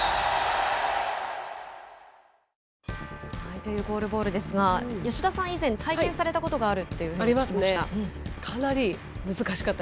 というゴールボールですが吉田さん、以前体験されたことがあると聞きました。